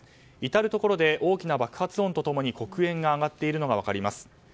至るところで大きな爆発音と共に黒煙が上がっているのが分かります。